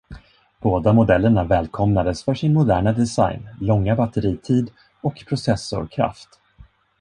Båda modellerna välkomnades för sin moderna design, långa batteritid och processorkraft.